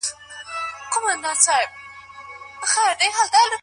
هلک په وېره او ډار له خونې بهر ووت.